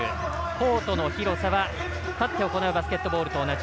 コートの広さは立って行うバスケットボールと同じ。